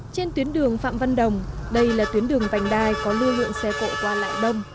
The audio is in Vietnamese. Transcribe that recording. trên tuyến đường phạm văn đồng đây là tuyến đường vành đai có lưu lượng xe cộ qua lại đông